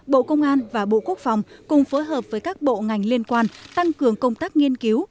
bộ công an và bộ quốc phòng cùng phối hợp với các bộ ngành liên quan tăng cường công tác nghiên cứu